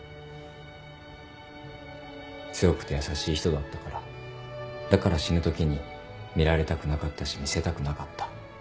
強くて優しい人だったからだから死ぬときに見られたくなかったし見せたくなかった。